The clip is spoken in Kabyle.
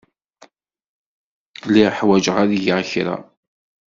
Lliɣ ḥwajeɣ ad geɣ kra.